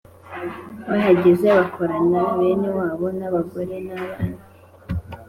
bahageze bakoranya bene wabo n'abagore n'abana,